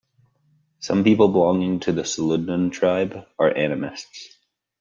Some people belonging to the Suludnun tribe, are animists.